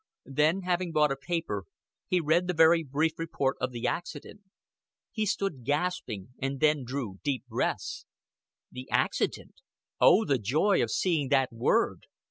Then, having bought a paper, he read the very brief report of the accident. He stood gasping, and then drew deep breaths. The Accident. Oh, the joy of seeing that word!